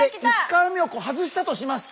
１回目を外したとします。